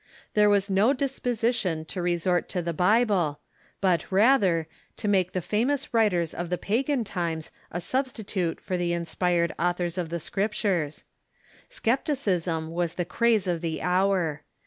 There was no disposition to resort to the Bible, but, rather, to make the famous writers of the pa gan times a substitute for the inspired authors of the Script ures, Scepticism was the craze of the hour.